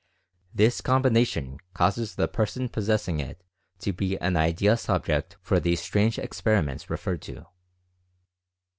This com bination causes the person possessing it to be an ideal subject for these strange experiments referred to.